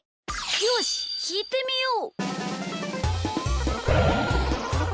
よしきいてみよう！